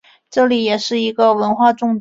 这里也是一个文化重镇。